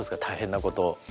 大変なこと。